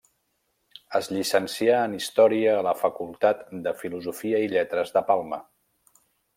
Es llicencià en història a la Facultat de Filosofia i Lletres de Palma.